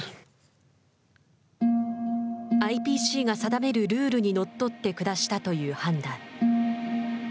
ＩＰＣが定めるルールにのっとって下したという判断。